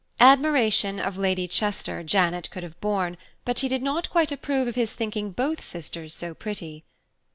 Admiration of Lady Chester Janet could have borne, but she did not quite approve of his thinking both sisters so pretty.